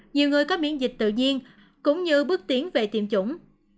nhiều người có miễn dịch tự nhiên cũng như bước tiến về tiêm chủng